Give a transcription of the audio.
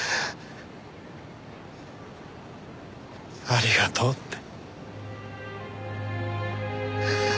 ありがとうって。